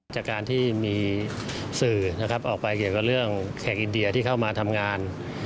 จากการที่มีสื่อนะครับออกไปเกี่ยวกับเรื่องแขกอินเดียที่เข้ามาทำงาน